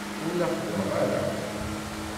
Ur la xeddmeɣ ara.